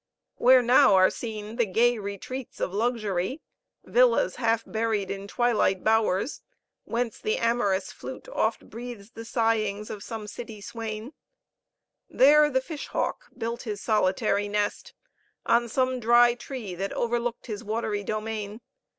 Where now are seen the gay retreats of luxury villas half buried in twilight bowers, whence the amorous flute oft breathes the sighings of some city swain there the fish hawk built his solitary nest, on some dry tree that overlooked his watery domain.